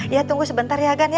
iya tunggu sebentar ya agan